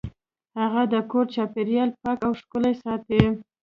هغه د کور چاپیریال پاک او ښکلی ساته.